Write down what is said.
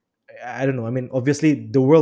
saya tidak tahu tentu saja dunia ini